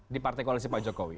di partai koalisi pak jokowi